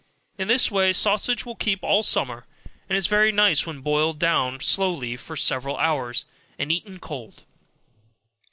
In this way sausage will keep all summer, and is very nice when boiled slowly for several hours, and eaten cold.